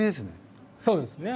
そうですね。